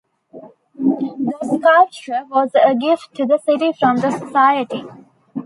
The sculpture was a gift to the City from the Society.